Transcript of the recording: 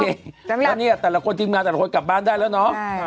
เพราะเนี่ยแต่ละคนทีมงานแต่ละคนกลับบ้านได้แล้วเนาะ